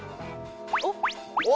おっ！